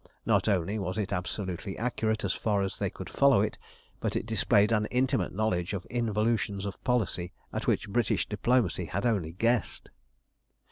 Not only was it absolutely accurate as far as they could follow it, but it displayed an intimate knowledge of involutions of policy at which British diplomacy had only guessed.